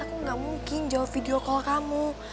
aku gak mungkin jawab video call kamu